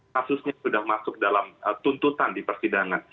kasusnya sudah masuk dalam tuntutan di persidangan